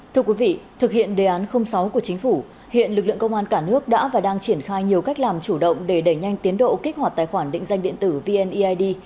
thưa quý vị thực hiện đề án sáu của chính phủ hiện lực lượng công an cả nước đã và đang triển khai nhiều cách làm chủ động để đẩy nhanh tiến độ kích hoạt tài khoản định danh điện tử vneid